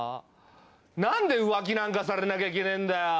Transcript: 何で浮気なんかされなきゃいけねえんだよ！